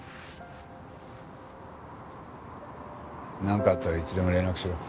なんかあったらいつでも連絡しろ。